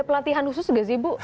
ada pelatihan khusus gak sih bu